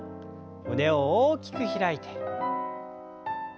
胸を大きく開いて。